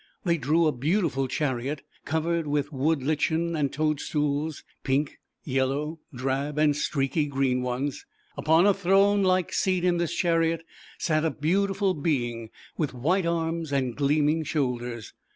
They drew a beautiful Chariot covered with wood lichen and toadstools, pink, yellow, drab and streaky green ones. Upon a throne like seat in this Chariot, sat a beautiful Being with white arms and gleaming shoulders.